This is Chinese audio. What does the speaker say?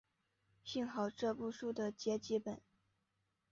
幸好这部书的结集本。